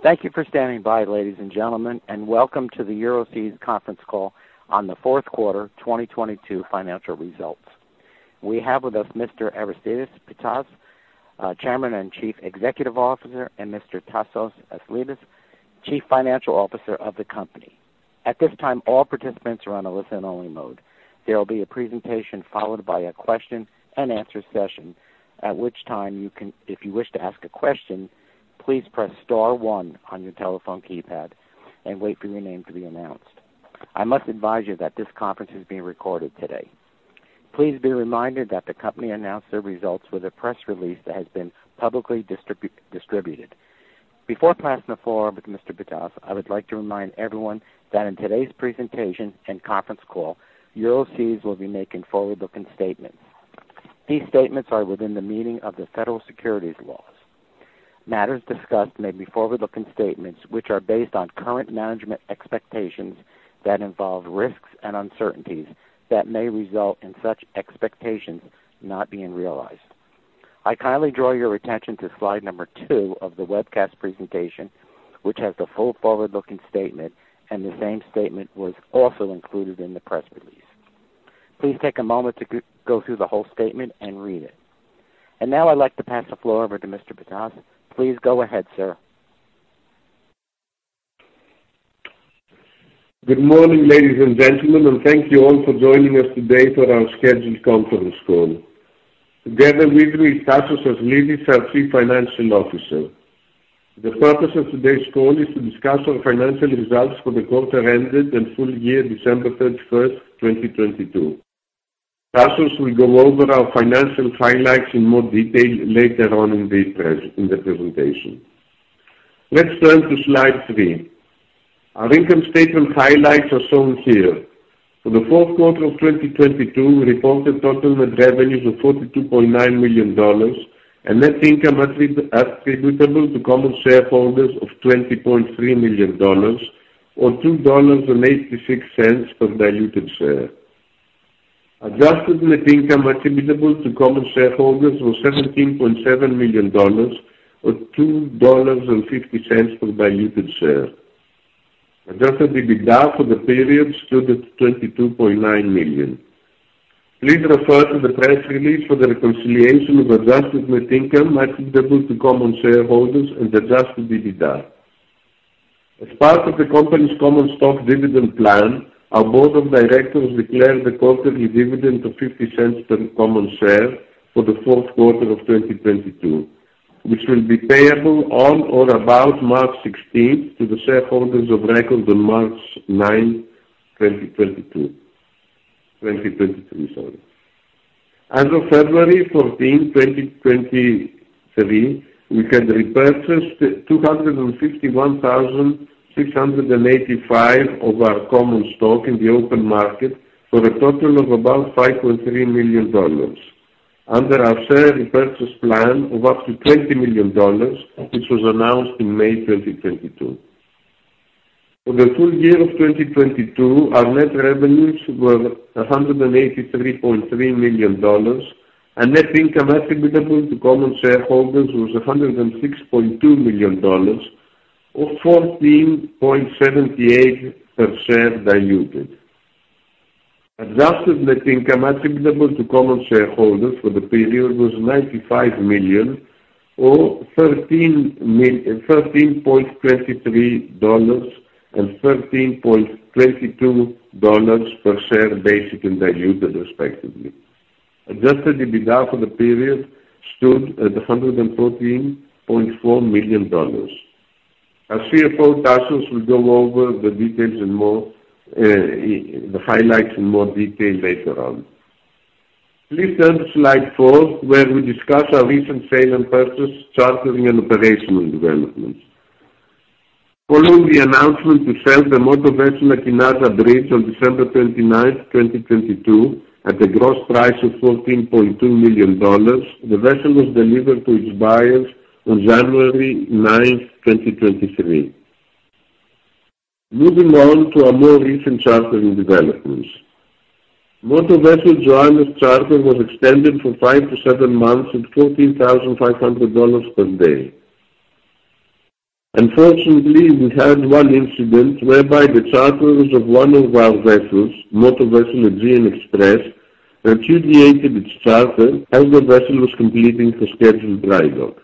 Thank you for standing by, ladies and gentlemen, and welcome to the Euroseas conference call on the fourth quarter 2022 financial results. We have with us Mr. Aristides Pittas, Chairman and Chief Executive Officer, and Mr. Tasios Aslidis, Chief Financial Officer of the company. At this time, all participants are on a listen only mode. There will be a presentation followed by a question and answer session. At which time if you wish to ask a question, please press star one on your telephone keypad and wait for your name to be announced. I must advise you that this conference is being recorded today. Please be reminded that the company announced their results with a press release that has been publicly distributed. Before passing the floor with Mr Pittas. I would like to remind everyone that in today's presentation and conference call, Euroseas will be making forward-looking statements. These statements are within the meaning of the Federal securities laws. Matters discussed may be forward-looking statements which are based on current management expectations that involve risks and uncertainties that may result in such expectations not being realized. I kindly draw your attention to slide number two of the webcast presentation, which has the full forward-looking statement, and the same statement was also included in the press release. Please take a moment to go through the whole statement and read it. Now I'd like to pass the floor over to Mr. Pittas. Please go ahead, sir. Good morning, ladies and gentlemen. Thank you all for joining us today for our scheduled conference call. Together with me is Tasios Aslidis, our Chief Financial Officer. The purpose of today's call is to discuss our financial results for the quarter ended and full year December 31st, 2022. Tasios will go over our financial highlights in more detail later on in the presentation. Let's turn to slide three. Our income statement highlights are shown here. For the fourth quarter of 2022, we reported total net revenues of $42.9 million and net income attributable to common shareholders of $20.3 million or $2.86 per diluted share. Adjusted net income attributable to common shareholders was $17.7 million or $2.50 per diluted share. Adjusted EBITDA for the period stood at $22.9 million. Please refer to the press release for the reconciliation of adjusted net income attributable to common shareholders and Adjusted EBITDA. As part of the company's common stock dividend plan, our board of directors declared the quarterly dividend of $0.50 per common share for the Q4 2022, which will be payable on or about March 16th to the shareholders of record on March 9th, 2022. 2023, sorry. As of February 14, 2023, we had repurchased 251,685 of our common stock in the open market for a total of about $5.3 million under our share repurchase plan of up to $20 million, which was announced in May 2022. For the full year of 2022, our net revenues were $183.3 million. Net income attributable to common shareholders was $106.2 million or $14.78 per share diluted. Adjusted net income attributable to common shareholders for the period was $95 million or $13.23 and $13.22 per share basic and diluted, respectively. Adjusted EBITDA for the period stood at $114.4 million. Our CFO, Tasios, will go over the details in more, the highlights in more detail later on. Please turn to slide four, where we discuss our recent sale and purchase, chartering, and operational developments. Following the announcement to sell the motor vessel Akinada Bridge on December 29th, 2022, at a gross price of $14.2 million, the vessel was delivered to its buyers on January 9th, 2023. Moving on to our more recent chartering developments. Motor vessel Joanna's charter was extended from 5-7 months at $14,500 per day. Unfortunately, we had one incident whereby the charterers of one of our vessels, motor vessel Aegean Express, repudiated its charter as the vessel was completing a scheduled dry dock.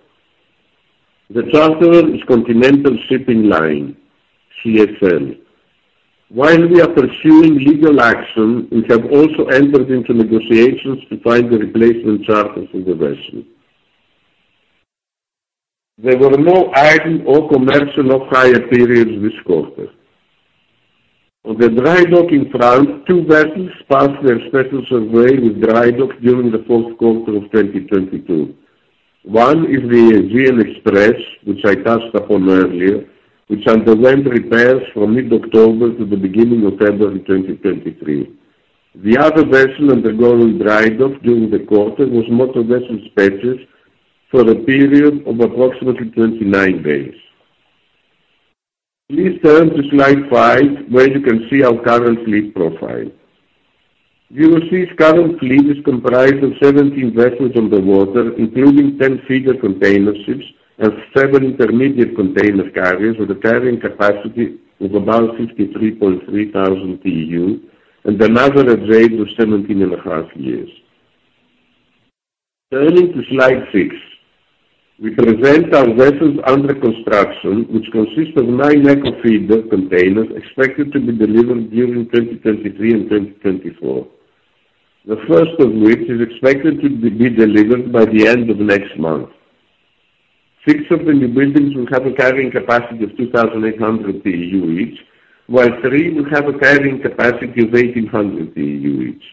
The charterer is Continental Shipping Line, CSL. While we are pursuing legal action, we have also entered into negotiations to find a replacement charter for the vessel. There were no item or commercial off-hire periods this quarter. For the dry dock in France, two vessels passed their special survey with dry dock during the fourth quarter of 2022. 1 is the Aegean Express, which I touched upon earlier, which underwent repairs from mid-October to the beginning of February 2023. The other vessel undergoing dry dock during the quarter was motor vessel Spetses for a period of approximately 29 days. Please turn to slide five, where you can see our current fleet profile. You will see current fleet is comprised of 17 vessels on the water, including 10 feeder containerships and 7 intermediate container carriers with a carrying capacity of about 63.3 thousand TEU and another age of 17.5 years. Turning to slide 6, we present our vessels under construction, which consists of 9 ECO Feeder containers expected to be delivered during 2023 and 2024. The first of which is expected to be delivered by the end of next month. Six of the newbuildings will have a carrying capacity of 2,800 TEU each, while three will have a carrying capacity of 1,800 TEU each.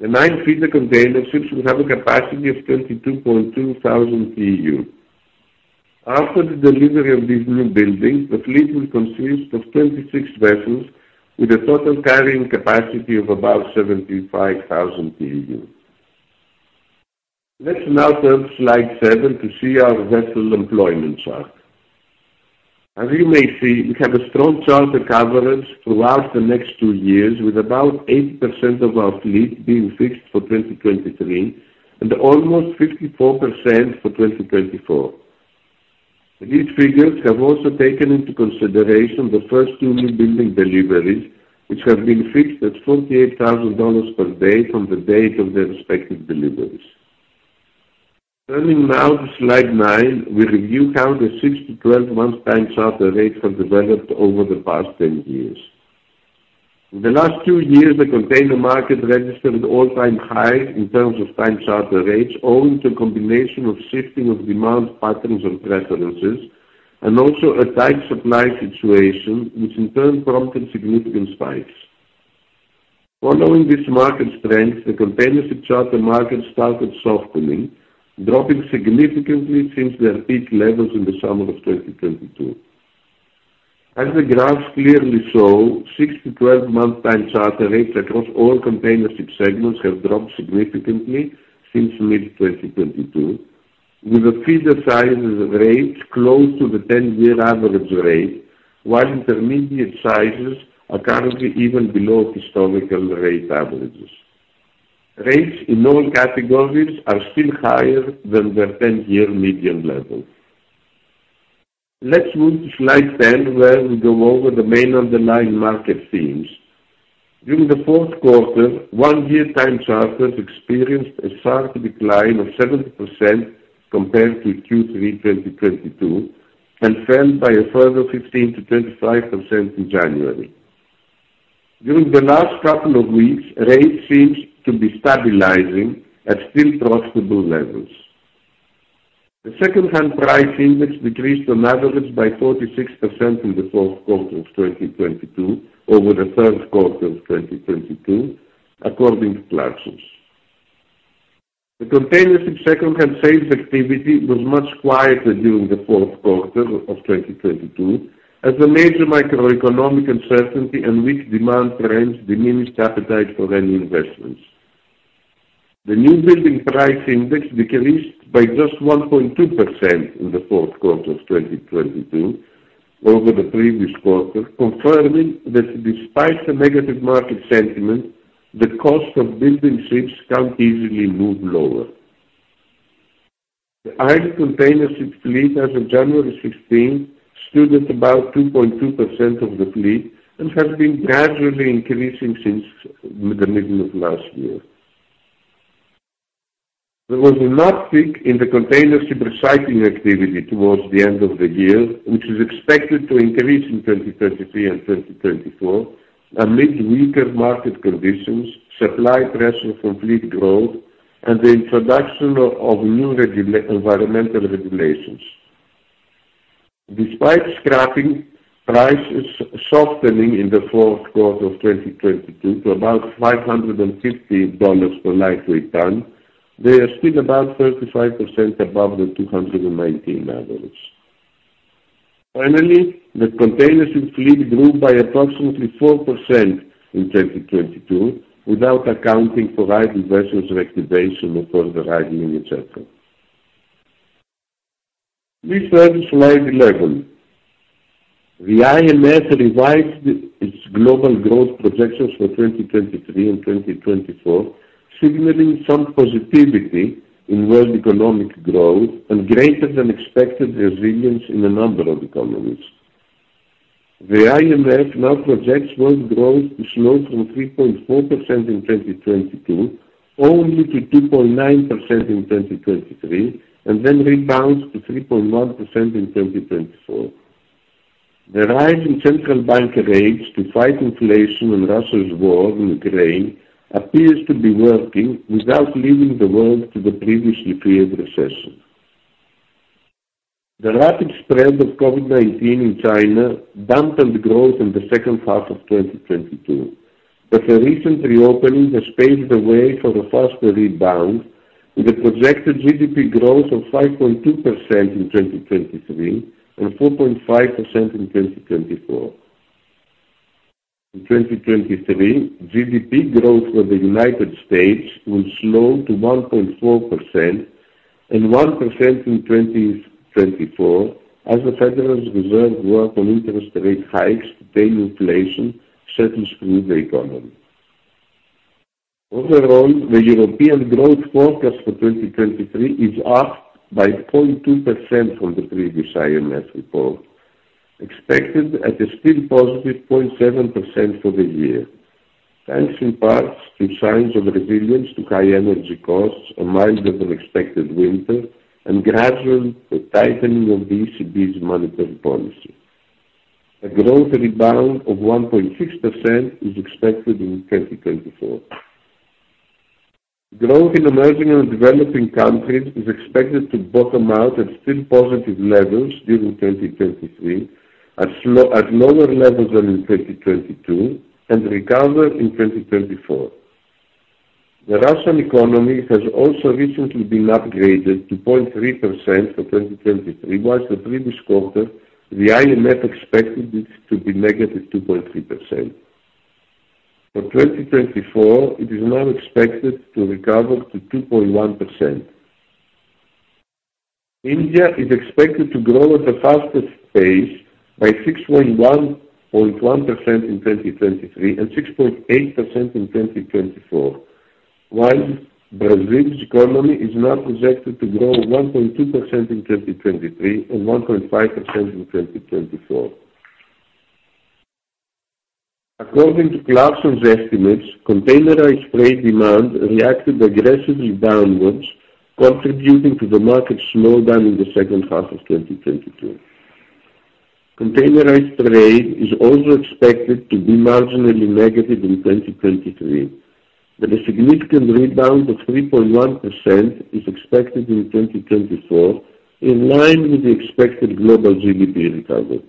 The nine feeder containerships will have a capacity of 22.2 thousand TEU. After the delivery of these newbuildings, the fleet will consist of 26 vessels with a total carrying capacity of about 75,000 TEU. Let's now turn to slide seven to see our vessel employment chart. As you may see, we have a strong charter coverage throughout the next two years, with about 80% of our fleet being fixed for 2023 and almost 54% for 2024. These figures have also taken into consideration the first two new building deliveries, which have been fixed at $48,000 per day from the date of their respective deliveries. Turning now to slide nine, we review how the 6-12 month time charter rates have developed over the past 10 years. In the last two years, the container market registered all-time high in terms of time charter rates, owing to a combination of shifting of demand patterns and preferences, and also a tight supply situation, which in turn prompted significant spikes. Following this market strength, the containership charter market started softening, dropping significantly since their peak levels in the summer of 2022. As the graphs clearly show, 6-12 month time charter rates across all containership segments have dropped significantly since mid-2022, with the feeder sizes of rates close to the 10-year average rate, while intermediate sizes are currently even below historical rate averages. Rates in all categories are still higher than their 10-year median level. Let's move to slide 10, where we go over the main underlying market themes. During the fourth quarter, one year time charters experienced a sharp decline of 70% compared to Q3 2022, and fell by a further 15%-25% in January. During the last couple of weeks, rates seems to be stabilizing at still profitable levels. The secondhand price index decreased on average by 46% in the fourth quarter of 2022 over the third quarter of 2022 according to Clarksons. The containership secondhand sales activity was much quieter during the fourth quarter of 2022 as the major microeconomic uncertainty and weak demand trends diminished appetite for any investments. The new building price index decreased by just 1.2% in the fourth quarter of 2022 over the previous quarter, confirming that despite the negative market sentiment, the cost of building ships can't easily move lower. The idle containership fleet as of January 16th stood at about 2.2% of the fleet and has been gradually increasing since the middle of last year. There was a knock pick in the containership recycling activity towards the end of the year, which is expected to increase in 2023 and 2024 amid weaker market conditions, supply pressure for fleet growth and the introduction of new environmental regulations. Despite scrapping, prices softening in the Q4 2022 to about $550 per lightweight ton, they are still about 35% above the $219 average. Finally, the containership fleet grew by approximately 4% in 2022, without accounting for idle vessels reactivation of course the rising in general. Please turn to slide 11. The IMF revised its global growth projections for 2023 and 2024, signaling some positivity in world economic growth and greater than expected resilience in a number of economies. The IMF now projects world growth to slow from 3.4% in 2022 only to 2.9% in 2023, and then rebounds to 3.1% in 2024. The rise in central bank rates to fight inflation and Russia's war in Ukraine appears to be working without leaving the world to the previously feared recession. The rapid spread of COVID-19 in China dampened growth in the second half of 2022, but the recent reopening has paved the way for a faster rebound, with a projected GDP growth of 5.2% in 2023 and 4.5% in 2024. In 2023, GDP growth for the United States will slow to 1.4% and 1% in 2024 as the Federal Reserve work on interest rate hikes to tame inflation set to screw the economy. Overall, the European growth forecast for 2023 is up by 0.2% from the previous IMF report, expected at a still positive 0.7% for the year, thanks in part to signs of resilience to high energy costs, a milder than expected winter, and gradual tightening of the ECB's monetary policy. A growth rebound of 1.6% is expected in 2024. Growth in emerging and developing countries is expected to bottom out at still positive levels during 2023 at lower levels than in 2022 and recover in 2024. The Russian economy has also recently been upgraded to 0.3% for 2023, whilst the previous quarter, the IMF expected it to be -2.3%. For 2024, it is now expected to recover to 2.1%. India is expected to grow at the fastest pace by 6.1, 0.1% in 2023 and 6.8% in 2024. While Brazil's economy is now projected to grow 1.2% in 2023 and 1.5% in 2024. According to Clarksons estimates, containerized freight demand reacted aggressively downwards, contributing to the market slowdown in the second half of 2022. Containerized trade is also expected to be marginally negative in 2023, but a significant rebound of 3.1% is expected in 2024, in line with the expected global GDP recovery.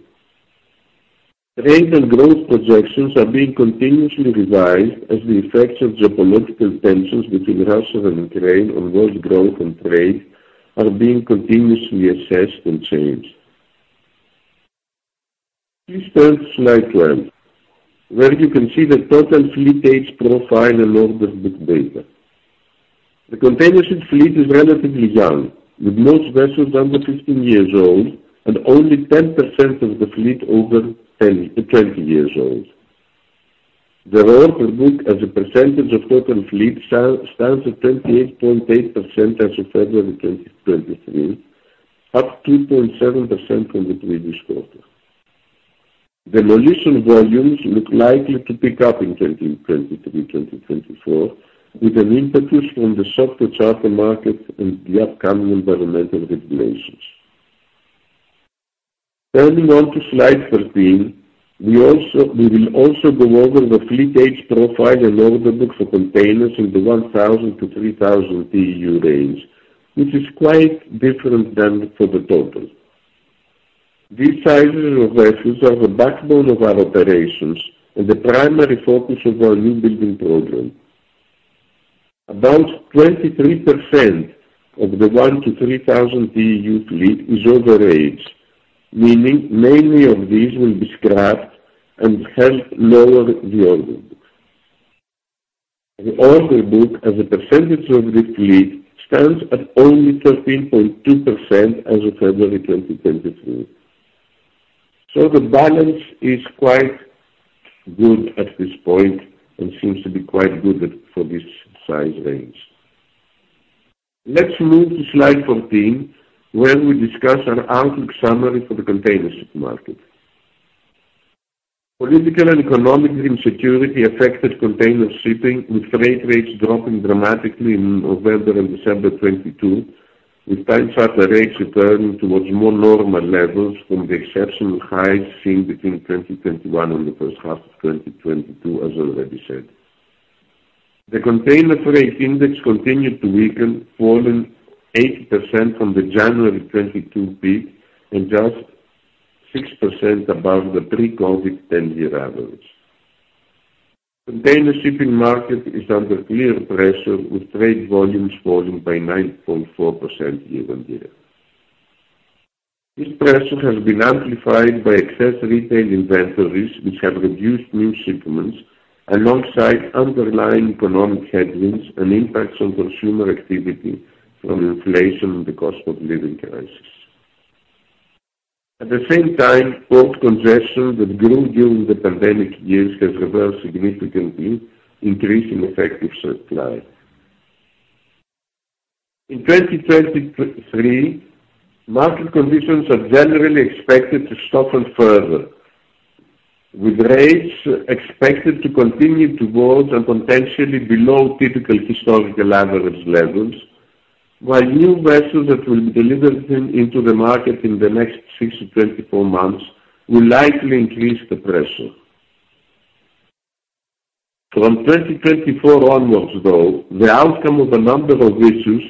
Trade and growth projections are being continuously revised as the effects of geopolitical tensions between Russia and Ukraine on world growth and trade are being continuously assessed and changed. Please turn to slide 12, where you can see the total fleet age profile and order book data. The container ship fleet is relatively young, with most vessels under 15 years old and only 10% of the fleet over 10, 20 years old. The order book as a percentage of total fleet stands at 28.8% as of February 2023, up 2.7% from the previous quarter. Demolition volumes look likely to pick up in 2023-2024 with an impetus from the softer charter markets and the upcoming environmental regulations. Turning on to slide 13, we will also go over the fleet age profile and order books for containers in the 1,000-3,000 TEU range, which is quite different than for the total. These sizes of vessels are the backbone of our operations and the primary focus of our new building program. About 23% of the 1,000-3,000 TEU fleet is overage, meaning many of these will be scrapped and help lower the order book. The order book as a percentage of the fleet stands at only 13.2% as of February 2023. The balance is quite good at this point and seems to be quite good for this size range. Let's move to slide 14, where we discuss an outlook summary for the container ship market. Political and economic insecurity affected container shipping, with freight rates dropping dramatically in November and December 2022, with time charter rates returning towards more normal levels from the exceptional highs seen between 2021 and the first half of 2022, as already said. The container freight index continued to weaken, falling 80% from the January 2022 peak and just 6% above the pre-COVID-19 10-year average. Container shipping market is under clear pressure, with trade volumes falling by 9.4% year-on-year. This pressure has been amplified by excess retail inventories, which have reduced new shipments alongside underlying economic headwinds and impacts on consumer activity from inflation and the cost of living crisis. At the same time, port congestion that grew during the pandemic years has reversed significantly, increasing effective supply. In 2023, market conditions are generally expected to soften further, with rates expected to continue to fall and potentially below typical historical average levels, while new vessels that will be delivered into the market in the next 6-24 months will likely increase the pressure. From 2024 onwards, though, the outcome of a number of issues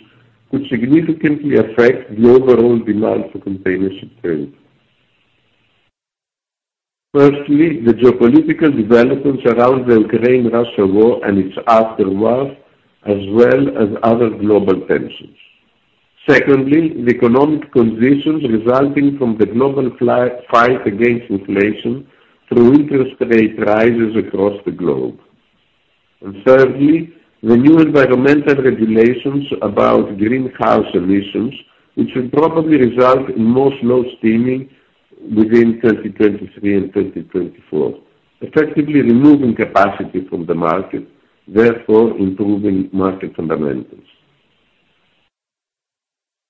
could significantly affect the overall demand for container ship trade. Firstly, the geopolitical developments around the Ukraine-Russia war and its aftermath, as well as other global tensions. Secondly, the economic conditions resulting from the global fight against inflation through interest rate rises across the globe. Thirdly, the new environmental regulations about greenhouse gas emissions, which will probably result in more slow steaming within 2023 and 2024, effectively removing capacity from the market, therefore improving market fundamentals.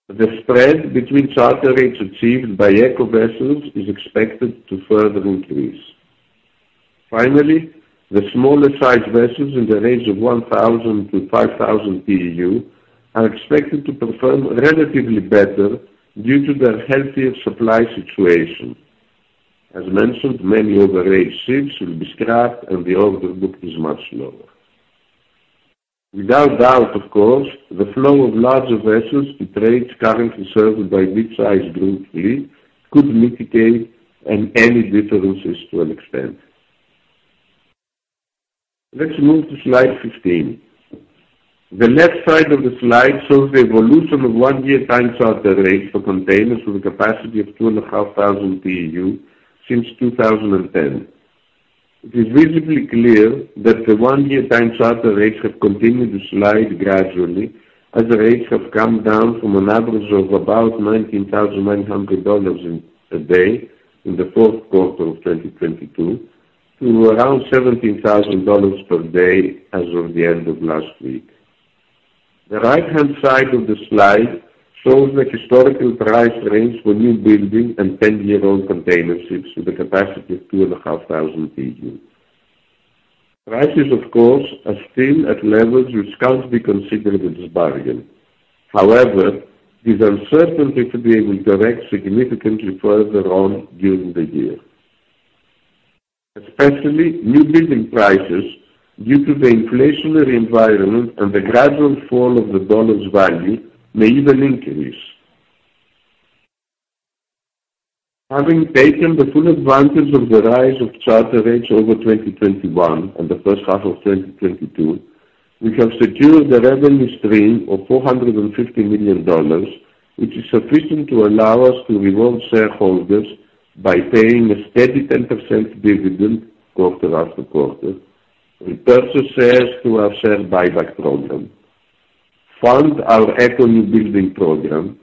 The spread between charter rates achieved by eco vessels is expected to further increase. Finally, the smaller sized vessels in the range of 1,000-5,000 TEU are expected to perform relatively better due to their healthier supply situation. As mentioned, many overage ships will be scrapped and the order book is much lower. Without doubt of course, the flow of larger vessels to trades currently served by midsize group three could mitigate on any rate losses to an extent. Let's move to slide 15. The left side of the slide shows the evolution of one-year time charter rates for containers with a capacity of 2,500 TEU since 2010. It is visibly clear that the one-year time charter rates have continued to slide gradually as the rates have come down from an average of about $19,900 a day in the fourth quarter of 2022 to around $17,000 per day as of the end of last week. The right-hand side of the slide shows the historical price range for new building and 10-year-old container ships with a capacity of 2,500 TEU. Prices of course are still at levels which can't be considered as bargain. However, it is uncertainty to be able to wreck significantly further on during the year. Especially new building prices due to the inflationary environment and the gradual fall of the dollar's value may even increase. Having taken the full advantage of the rise of charter rates over 2021 and the first half of 2022, we have secured a revenue stream of $450 million, which is sufficient to allow us to reward shareholders by paying a steady 10% dividend quarter after quarter, repurchase shares through our share buyback program, fund our eco new building program,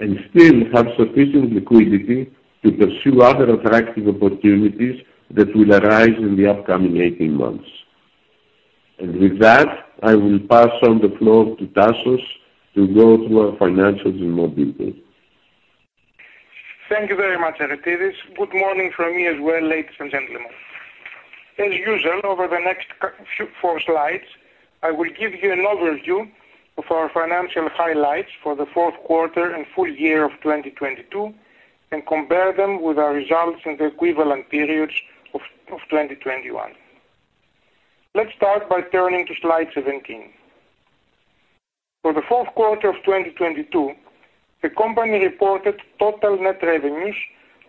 and still have sufficient liquidity to pursue other attractive opportunities that will arise in the upcoming 18 months. With that, I will pass on the floor to Tasios to go through our financials in more detail. Thank you very much, Aristides Pittas. Good morning from me as well, ladies and gentlemen. As usual, over the next few four slides, I will give you an overview of our financial highlights for the fourth quarter and full year of 2022. Compare them with our results in the equivalent periods of 2021. Let's start by turning to slide 17. For the fourth quarter of 2022, the company reported total net revenues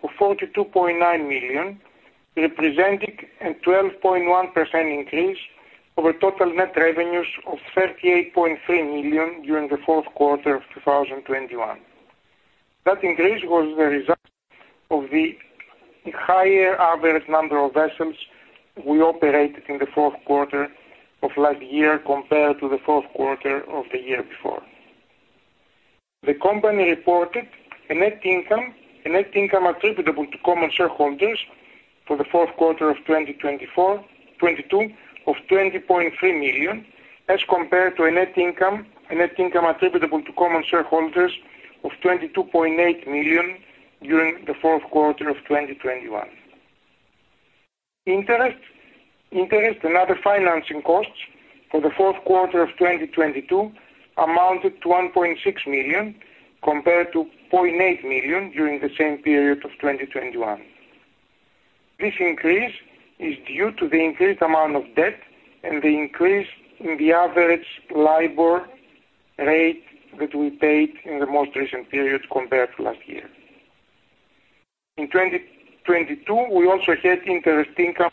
of $42.9 million, representing a 12.1% increase over total net revenues of $38.3 million during the fourth quarter of 2021. That increase was the result of the higher average number of vessels we operated in the fourth quarter of last year compared to the fourth quarter of the year before. The company reported a net income attributable to common shareholders for the fourth quarter of 2022 of $20.3 million, as compared to a net income attributable to common shareholders of $22.8 million during the fourth quarter of 2021. Interest and other financing costs for the fourth quarter of 2022 amounted to $1.6 million, compared to $0.8 million during the same period of 2021. This increase is due to the increased amount of debt and the increase in the average LIBOR rate that we paid in the most recent period compared to last year. In 2022, we also had interest income.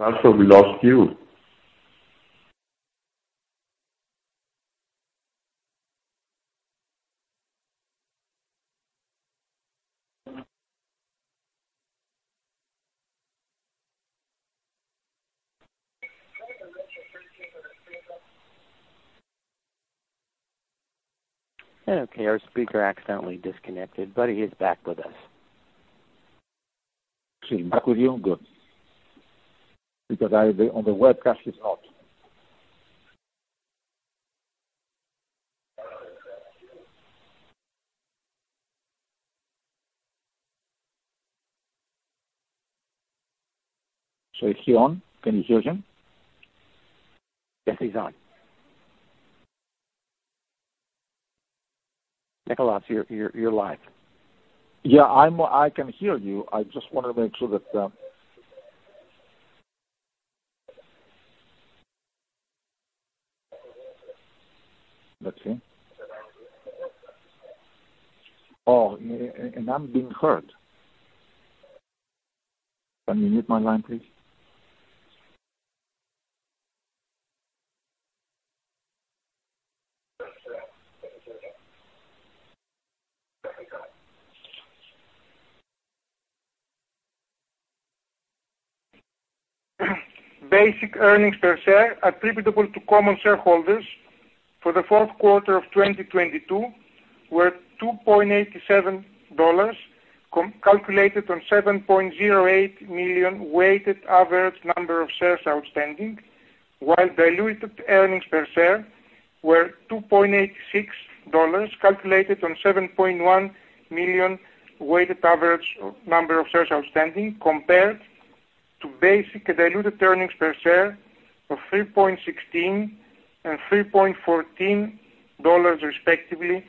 Tasios, we lost you. Okay, our speaker accidentally disconnected, but he is back with us. He's back with you? Good. On the webcast, he's not. Is he on? Can you hear him? Yes, he's on. Nikolaos, you're live. Yeah. I'm, I can hear you. I just wanted to make sure that. Let's see. Oh, and I'm being heard. Can you mute my line, please? Basic earnings per share attributable to common shareholders for the fourth quarter of 2022 were $2.87, calculated on 7.08 million weighted average number of shares outstanding. While diluted earnings per share were $2.86, calculated on 7.1 million weighted average number of shares outstanding, compared to basic and diluted earnings per share of $3.16 and $3.14, respectively,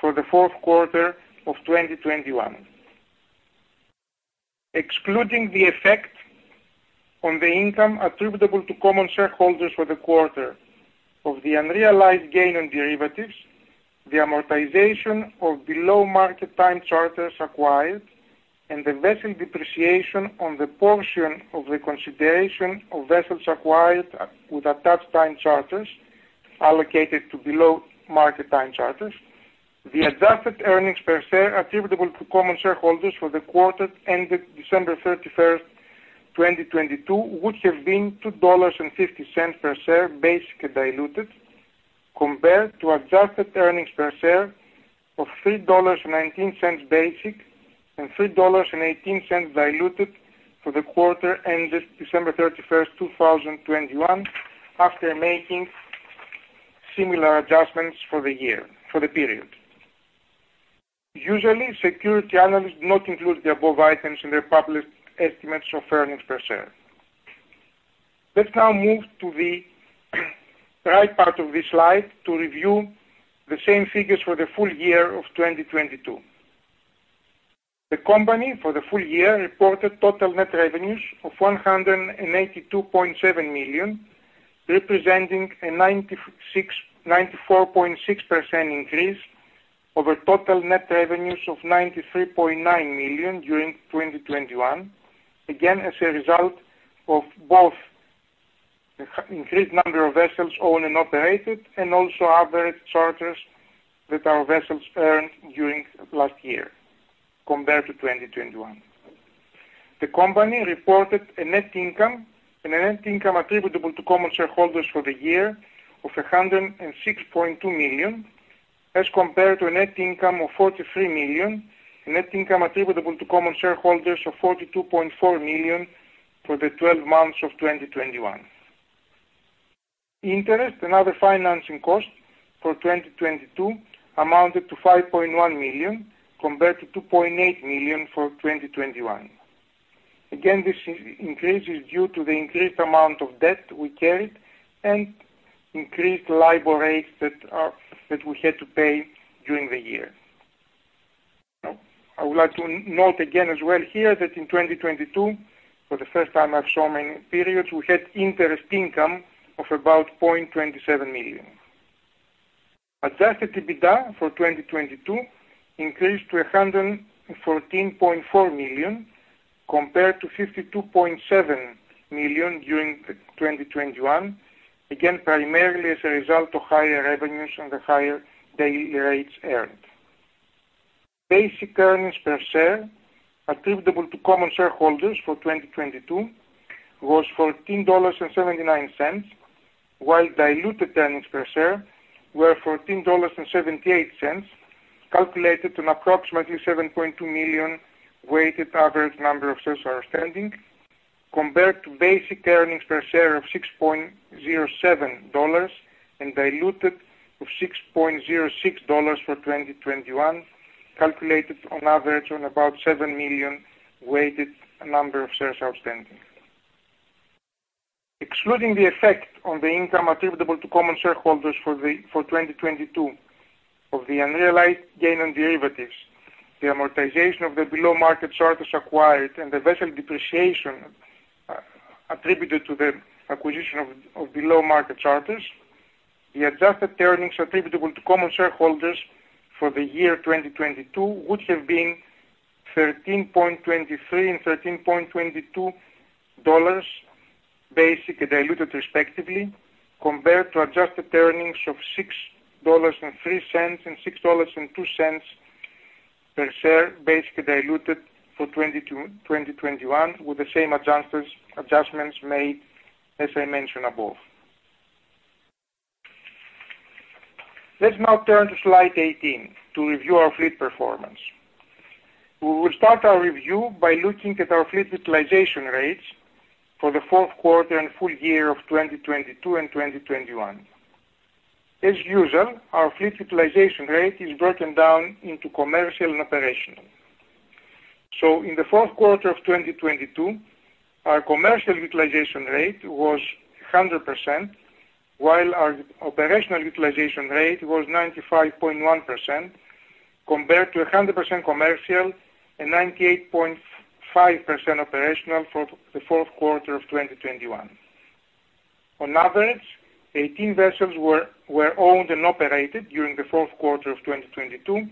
for the fourth quarter of 2021. Excluding the effect on the income attributable to common shareholders for the quarter of the unrealized gain on derivatives, the amortization of below market time charters acquired, and the vessel depreciation on the portion of the consideration of vessels acquired with attached time charters allocated to below market time charters. The adjusted earnings per share attributable to common shareholders for the quarter ended December 31, 2022, would have been $2.50 per share, basic and diluted, compared to adjusted earnings per share of $3.19 basic and $3.18 diluted for the quarter ended December 31, 2021, after making similar adjustments for the period. Usually, security analysts do not include the above items in their published estimates of earnings per share. Let's now move to the right part of this slide to review the same figures for the full year of 2022. The company, for the full year, reported total net revenues of $182.7 million, representing a 94.6% increase over total net revenues of $93.9 million during 2021. As a result of both the increased number of vessels owned and operated and also other charters that our vessels earned during last year compared to 2021. The company reported a net income attributable to common shareholders for the year of $106.2 million, as compared to a net income of $43 million. Net income attributable to common shareholders of $42.4 million for the 12 months of 2021. Interest and other financing costs for 2022 amounted to $5.1 million, compared to $2.8 million for 2021. This increase is due to the increased amount of debt we carried and increased LIBOR rates that we had to pay during the year. I would like to note again as well here that in 2022, for the first time after so many periods, we had interest income of about $0.27 million. Adjusted EBITDA for 2022 increased to $114.4 million, compared to $52.7 million during 2021. Primarily as a result of higher revenues and the higher daily rates earned. Basic earnings per share attributable to common shareholders for 2022 was $14.79, while diluted earnings per share were $14.78, calculated on approximately 7.2 million weighted average number of shares outstanding compared to basic earnings per share of $6.07 and diluted of $6.06 for 2021, calculated on average on about 7 million weighted number of shares outstanding. Excluding the effect on the income attributable to common shareholders for 2022 of the unrealized gain on derivatives, the amortization of the below market charters acquired, and the vessel depreciation attributed to the acquisition of below market charters. The adjusted earnings attributable to common shareholders for the year 2022 would have been $13.23 and $13.22 basic and diluted, respectively, compared to adjusted earnings of $6.03 and $6.02 per share, basic and diluted for 2021 with the same adjustments made as I mentioned above. Let's now turn to slide 18 to review our fleet performance. We will start our review by looking at our fleet utilization rates for the fourth quarter and full year of 2022 and 2021. As usual, our fleet utilization rate is broken down into commercial and operational. In the fourth quarter of 2022, our commercial utilization rate was 100%, while our operational utilization rate was 95.1%. Compared to 100% commercial and 98.5% operational for the fourth quarter of 2021. On average, 18 vessels were owned and operated during the fourth quarter of 2022,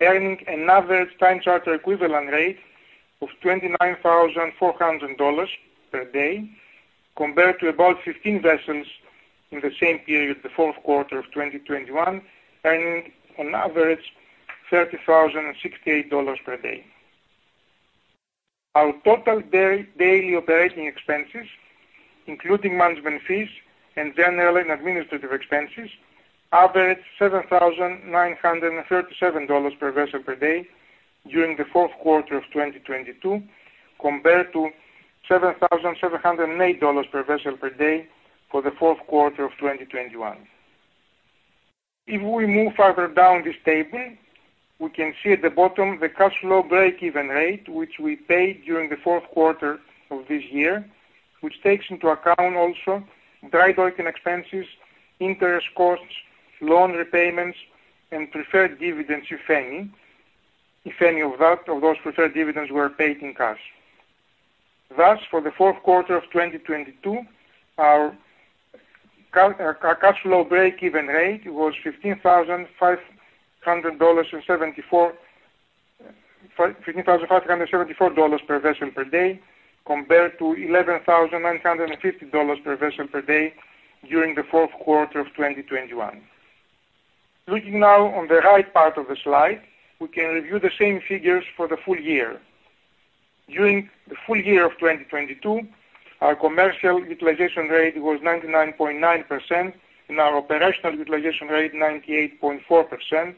earning an average time charter equivalent rate of $29,400 per day compared to about 15 vessels in the same period, the fourth quarter of 2021, earning on average $30,068 per day. Our total daily operating expenses, including management fees and general and administrative expenses, averaged $7,937 per vessel per day during the fourth quarter of 2022 compared to $7,708 per vessel per day for the fourth quarter of 2021. If we move further down this table, we can see at the bottom the cash flow break-even rate, which we paid during the fourth quarter of this year, which takes into account also dry docking expenses, interest costs, loan repayments and preferred dividends, if any of those preferred dividends were paid in cash. For the fourth quarter of 2022, our cash flow break-even rate was $15,574 per vessel per day compared to $11,950 per vessel per day during the fourth quarter of 2021. Looking now on the right part of the slide, we can review the same figures for the full year. During the full year of 2022, our commercial utilization rate was 99.9% and our operational utilization rate, 98.4%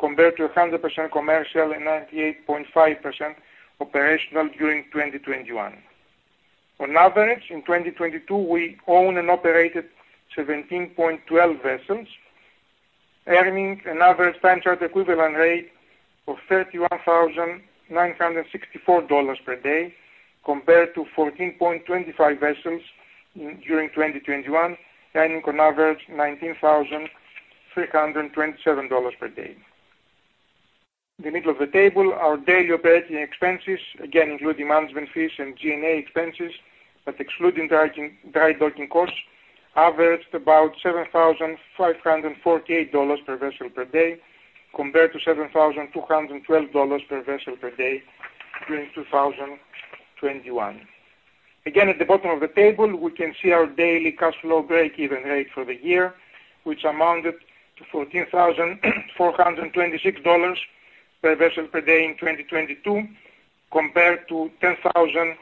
compared to 100% commercial and 98.5% operational during 2021. On average, in 2022, we own and operated 17.12 vessels, earning an average time charter equivalent rate of $31,964 per day compared to 14.25 vessels during 2021, earning on average $19,327 per day. In the middle of the table, our daily operating expenses, again including management fees and G&A expenses, but excluding docking, dry docking costs, averaged about $7,548 per vessel per day compared to $7,212 per vessel per day during 2021. At the bottom of the table, we can see our daily cash flow break-even rate for the year, which amounted to $14,426 per vessel per day in 2022 compared to $10,782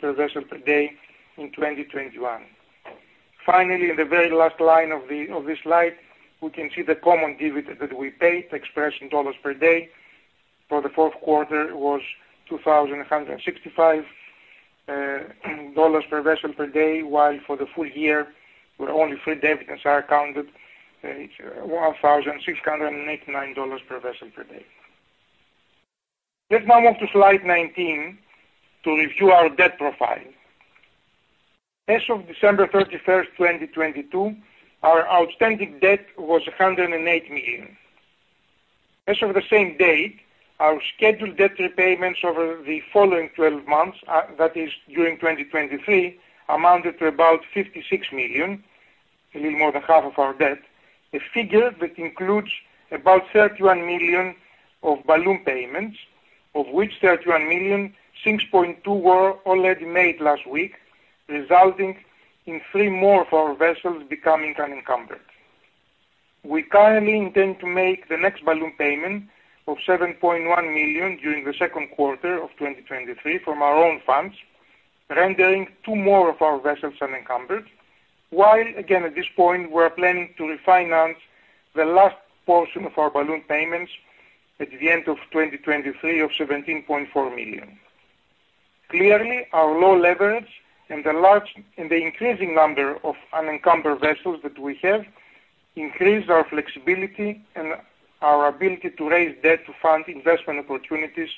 per vessel per day in 2021. In the very last line of this slide, we can see the common dividend that we paid expressed in dollars per day for the fourth quarter was $2,165 per vessel per day, while for the full year where only three dividends are accounted, it's $1,689 per vessel per day. Let's now move to slide 19 to review our debt profile. As of December 31st, 2022, our outstanding debt was $108 million. As of the same date, our scheduled debt repayments over the following 12 months, that is during 2023, amounted to about $56 million, a little more than half of our debt. A figure that includes about $31 million of balloon payments, of which $6.2 million were already made last week, resulting in three more of our vessels becoming unencumbered. We currently intend to make the next balloon payment of $7.1 million during the second quarter of 2023 from our own funds, rendering two more of our vessels unencumbered while again, at this point, we're planning to refinance the last portion of our balloon payments at the end of 2023 of $17.4 million. Clearly, our low leverage and the large... The increasing number of unencumbered vessels that we have increase our flexibility and our ability to raise debt to fund investment opportunities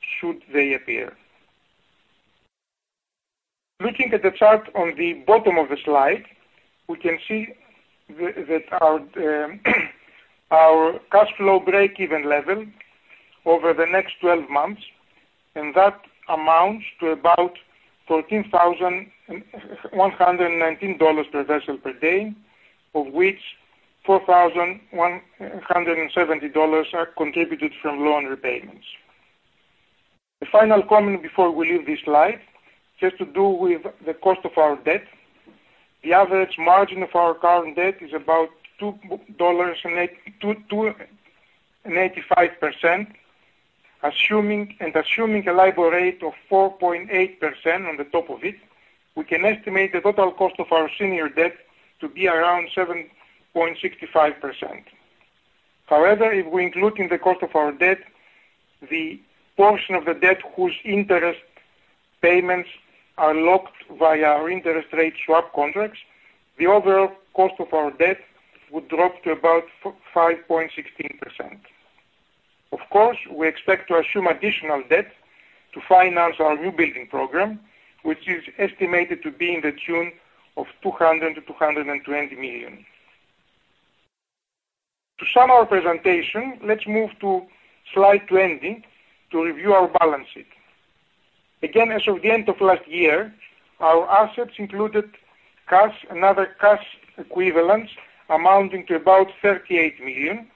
should they appear. Looking at the chart on the bottom of the slide, we can see that our cash flow break-even level over the next 12 months, and that amounts to about $14,119 per vessel per day, of which $4,170 are contributed from loan repayments. The final comment before we leave this slide has to do with the cost of our debt. The average margin of our current debt is about 2.85% assuming a LIBOR rate of 4.8% on the top of it, we can estimate the total cost of our senior debt to be around 7.65%. However, if we include in the cost of our debt the portion of the debt whose interest payments are locked via our interest rate swap contracts, the overall cost of our debt would drop to about 5.16%. We expect to assume additional debt to finance our new building program, which is estimated to be in the tune of $200 million-$220 million. To sum our presentation, let's move to slide 20 to review our balance sheet. Again, as of the end of last year, our assets included cash and other cash equivalents amounting to about $38 million.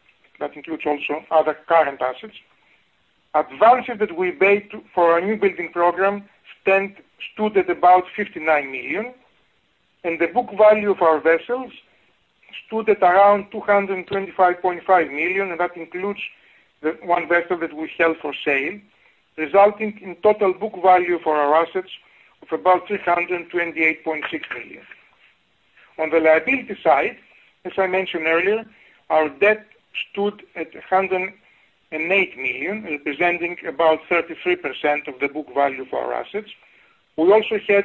That includes also other current assets. Advances that we made for our new building program stood at about $59 million, and the book value of our vessels stood at around $225.5 million, and that includes the one vessel that we held for sale, resulting in total book value for our assets of about $328.6 million. On the liability side, as I mentioned earlier, our debt stood at $108 million, representing about 33% of the book value of our assets. We also had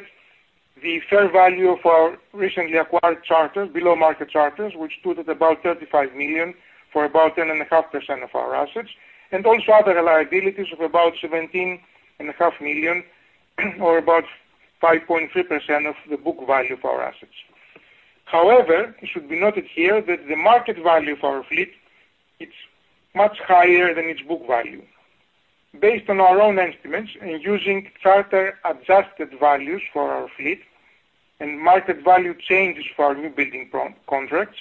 the fair value of our recently acquired charters, below market charters, which stood at about $35 million for about 10 and a half percent of our assets, and also other liabilities of about $17 and a half million or about 5.3% of the book value of our assets. However, it should be noted here that the market value of our fleet is much higher than its book value. Based on our own estimates and using charter adjusted values for our fleet and market value changes for our new building pro-contracts,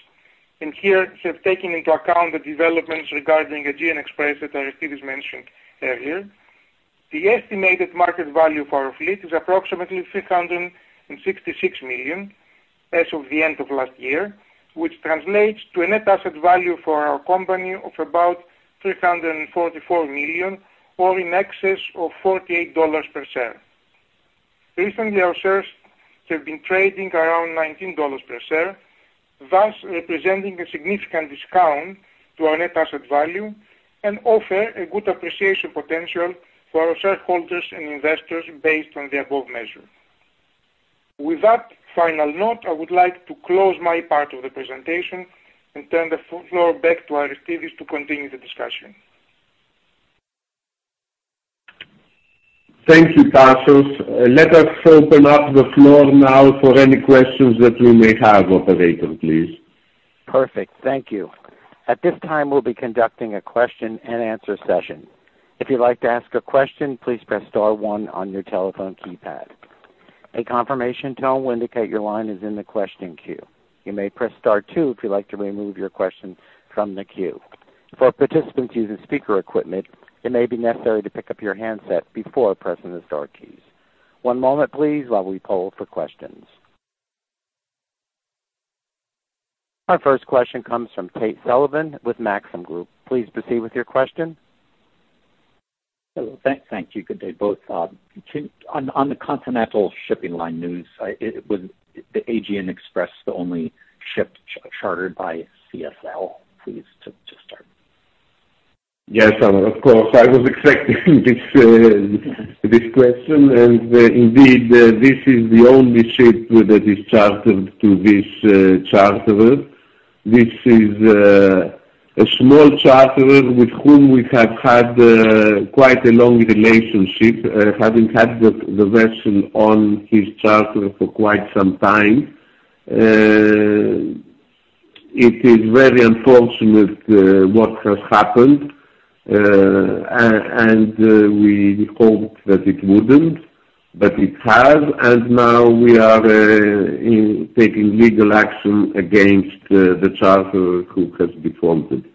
and here have taken into account the developments regarding Aegean Express that Aristides mentioned earlier. The estimated market value for our fleet is approximately $366 million as of the end of last year, which translates to a net asset value for our company of about $344 million or in excess of $48 per share. Recently, our shares have been trading around $19 per share, thus representing a significant discount to our net asset value and offer a good appreciation potential for our shareholders and investors based on the above measure. With that final note, I would like to close my part of the presentation and turn the floor back to Aristides to continue the discussion. Thank you, Tasios. Let us open up the floor now for any questions that we may have. Operator, please. Perfect. Thank you. At this time, we'll be conducting a question and answer session. If you'd like to ask a question, please press star one on your telephone keypad. A confirmation tone will indicate your line is in the questioning queue. You may press star two if you'd like to remove your question from the queue. For participants using speaker equipment, it may be necessary to pick up your handset before pressing the star keys. One moment please while we poll for questions. Our first question comes from Tate Sullivan with Maxim Group. Please proceed with your question. Hello. Thank you. Good day both. On the Continental Shipping Line news, was the Aegean Express the only ship chartered by CSL please to start? Yes, of course. I was expecting this question, and indeed, this is the only ship that is chartered to this charterer. This is a small charterer with whom we have had quite a long relationship, having had the vessel on his charter for quite some time. It is very unfortunate what has happened. We hoped that it wouldn't, but it has, and now we are taking legal action against the charterer who has defaulted.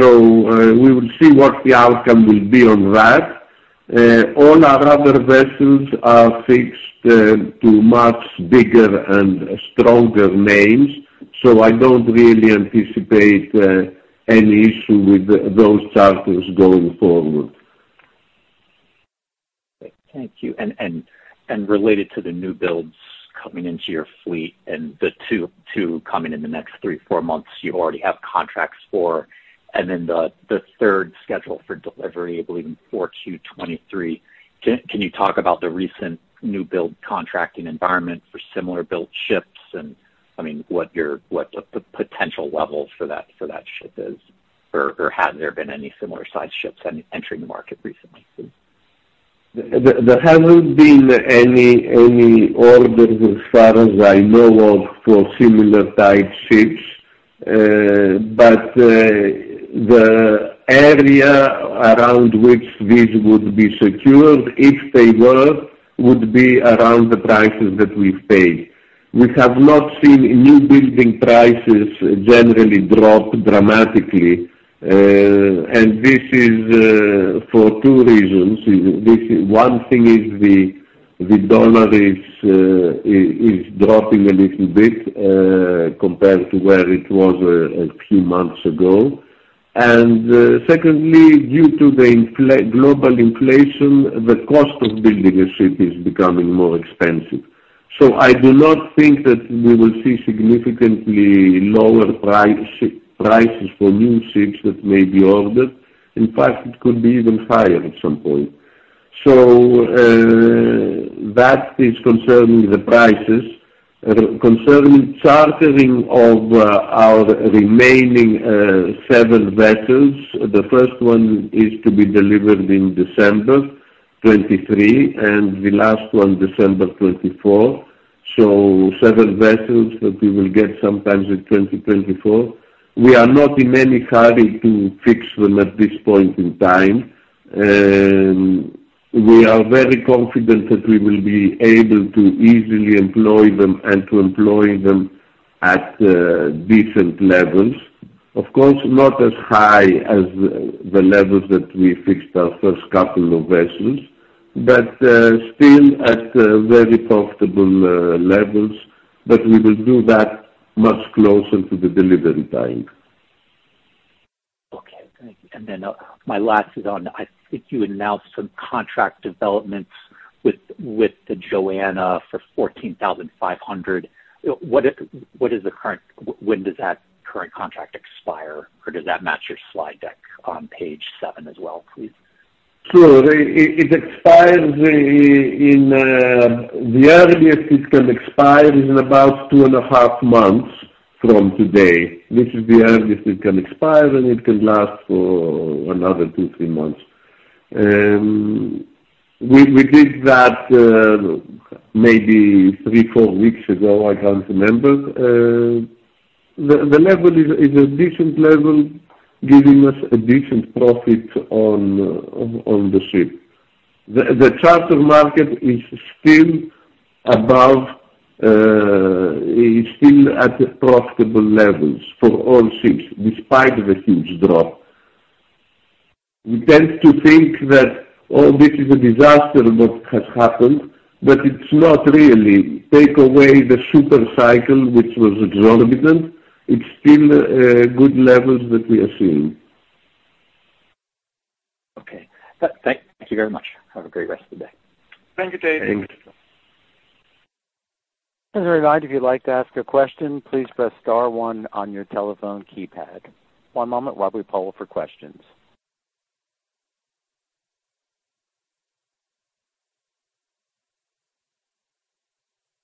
We will see what the outcome will be on that. All our other vessels are fixed to much bigger and stronger names, so I don't really anticipate any issue with those charters going forward. Thank you. Related to the new builds coming into your fleet and the two coming in the next 3, 4 months, you already have contracts for, and then the third schedule for delivery, I believe in Q4 2023. Can you talk about the recent new build contracting environment for similar-built ships? I mean, what your, what the potential level for that ship is or have there been any similar-sized ships entering the market recently? There haven't been any orders as far as I know of for similar type ships, but the area around which these would be secured, if they were, would be around the prices that we've paid. We have not seen new building prices generally drop dramatically, and this is for two reasons. This is, one thing is the dollar is dropping a little bit, compared to where it was a few months ago. Secondly, due to the global inflation, the cost of building a ship is becoming more expensive. I do not think that we will see significantly lower prices for new ships that may be ordered. In fact, it could be even higher at some point. That is concerning the prices. Concerning chartering of our remaining seven vessels. The first one is to be delivered in December 2023, and the last one December 2024. 7 vessels that we will get sometimes in 2024. We are not in any hurry to fix them at this point in time. We are very confident that we will be able to easily employ them and to employ them at decent levels. Of course, not as high as the levels that we fixed our first couple of vessels, but still at very profitable levels, but we will do that much closer to the delivery time. Okay. Thank you. My last is on, I think you announced some contract developments with the Joanna for $14,500. What is the current contract expire, or does that match your slide deck on page 7 as well, please? Sure. It expires in two and a half months from today, which is the earliest it can expire, and it can last for another two, three months. We did that maybe three, four weeks ago, I can't remember. The level is a decent level, giving us a decent profit on the ship. The charter market is still above, is still at profitable levels for all ships despite the huge drop. We tend to think that, oh, this is a disaster what has happened, but it's not really. Take away the super cycle which was extraordinary. It's still good levels that we are seeing. Okay. Thank you very much. Have a great rest of the day. Thank you, Tate. Thanks. As a reminder, if you'd like to ask a question, please press star one on your telephone keypad. One moment while we poll for questions.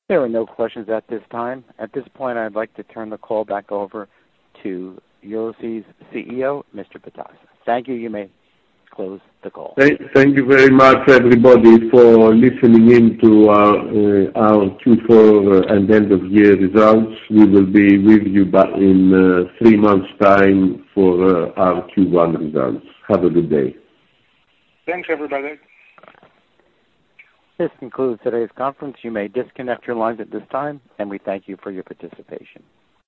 There are no questions at this time. At this point, I'd like to turn the call back over to Euroseas CEO, Mr. Pittas. Thank you. You may close the call. Thank you very much, everybody, for listening in to our Q4 and end of year results. We will be with you back in 3 months' time for our Q1 results. Have a good day. Thanks, everybody. This concludes today's conference. You may disconnect your lines at this time, and we thank you for your participation.